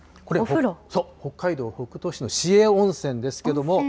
そう、北海道北斗市の市営温泉ですけども。